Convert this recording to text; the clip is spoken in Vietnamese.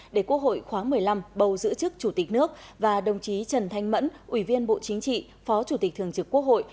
để quốc hội khóa một mươi năm bầu giữ chức chủ tịch nước và đồng chí trần thanh mẫn ủy viên bộ chính trị phó chủ tịch thường trực quốc hội